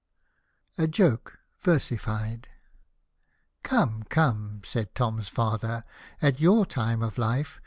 A JOKE VERSIFIED "Come, come," said Tom's father, "at your time of life.